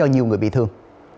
nhiều người bị thương